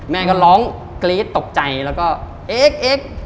แม่ก็ร้องเกรทตกใจแล้วก็เอ็กซ์